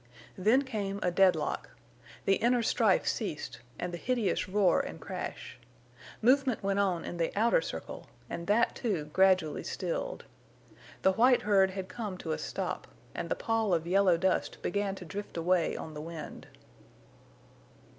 Then came a deadlock. The inner strife ceased, and the hideous roar and crash. Movement went on in the outer circle, and that, too, gradually stilled. The white herd had come to a stop, and the pall of yellow dust began to drift away on the wind.